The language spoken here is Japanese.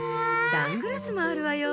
サングラスもあるわよ。